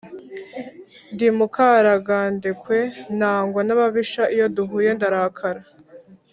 Ndi Mukaragandekwe nangwa n’ababisha iyo duhuye ndarakara!